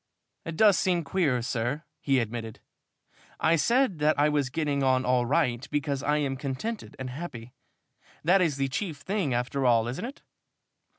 "It does seem queer, sir," he admitted. "I said that I was getting on all right because I am contented and happy. That is the chief thing after all, isn't it?"